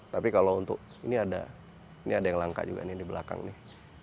tapi kalau untuk ini ada ini ada yang langka juga nih di belakang nih